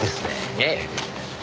ええ。